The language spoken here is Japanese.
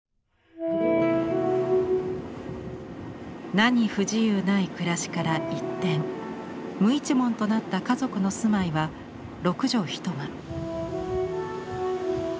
何不自由ない暮らしから一転無一文となった家族の住まいは６畳１間。